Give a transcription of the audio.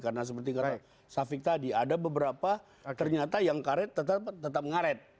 karena seperti kata safik tadi ada beberapa ternyata yang karet tetap ngaret